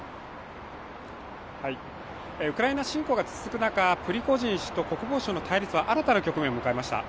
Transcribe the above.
ウクライナ侵攻が続く中、プリゴジン氏と国防省の対立は新たな局面を迎えました。